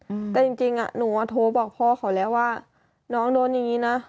อืมแต่จริงจริงอ่ะหนูอ่ะโทรบอกพ่อเขาแล้วว่าน้องโดนอย่างงี้นะ